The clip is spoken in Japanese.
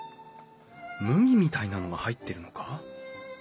麦みたいなのが入ってるのか？